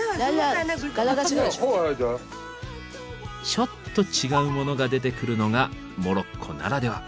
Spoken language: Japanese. ちょっと違うモノが出てくるのがモロッコならでは。